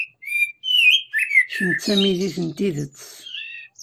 Kemm d tamidit n tidet.